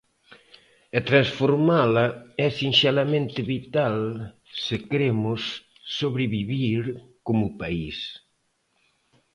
E transformala é sinxelamente vital se queremos sobrevivir como país.